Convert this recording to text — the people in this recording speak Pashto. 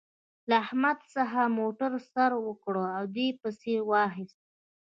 له احمد څخه موتر سر وکړ او دې پسې واخيست.